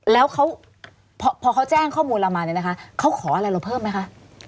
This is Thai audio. แล้วเขาพอเขาแจ้งข้อมูลเรามาเนี่ยนะคะเขาขออะไรเราเพิ่มไหมคะ